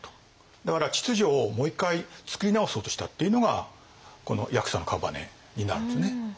だから秩序をもう一回作り直そうとしたっていうのがこの八色の姓になるんですね。